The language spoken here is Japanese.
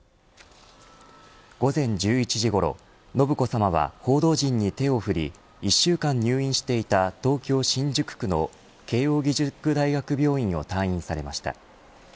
午前１１時ごろ、信子さまは報道陣に手を振り１週間入院していた東京、新宿区の慶応義塾大学病院を退院されました。